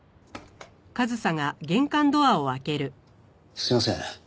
すいません。